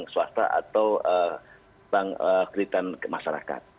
bank swasta atau bank kreditan masyarakat